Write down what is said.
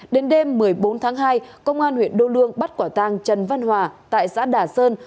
đến đêm một mươi bốn tháng hai công an huyện đô lương bắt quả tang trần văn hòa tại xã đà sơn